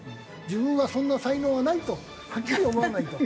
自分はそんな才能はないとはっきり思わないと。